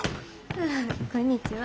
ああこんにちは。